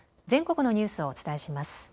全国のニュースをお伝えします。